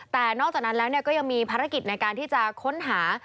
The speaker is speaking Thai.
แต่นอกจากนั้นแล้วก็ยังมีภารกิจในการที่จะค้นหา